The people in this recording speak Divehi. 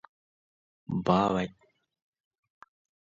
ބާވަތް